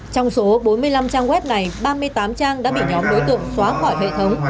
trong số bốn mươi năm trang web này ba mươi tám trang đã bị nhóm đối tượng xóa khỏi hệ thống